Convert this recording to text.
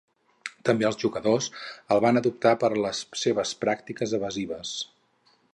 També els jugadors el van adoptar per a les seves pràctiques evasives.